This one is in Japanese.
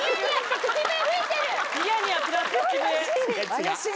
怪しい！